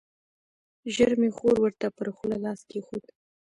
ژر مې خور ورته پر خوله لاس کېښود.